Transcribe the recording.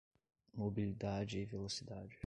Mobilidade e Velocidade